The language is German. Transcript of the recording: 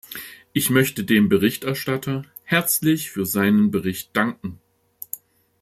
Ich möchte dem Berichterstatter herzlich für seinen Bericht danken.